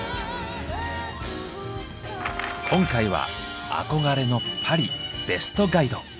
今回は憧れのパリベストガイド。